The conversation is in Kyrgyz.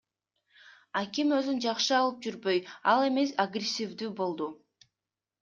Аким өзүн жакшы алып жүрбөй, ал эмес агрессивдүү болду.